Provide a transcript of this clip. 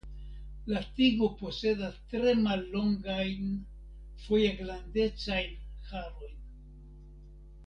La tigo posedas tre mallongajn foje glandecajn harojn.